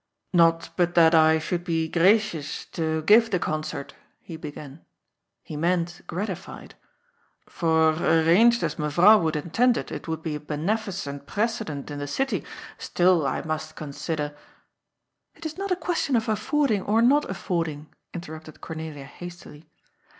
" Not but that I should be gracious to give the concert," he began — ^he meant gratified —^" for, arranged as Mevrouw would intend it, it would be a beneficent precedent in the city, still I must consider —"^' It is not a question of affording or not affording," in terrupted Cornelia hastily.